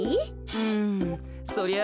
うんそりゃ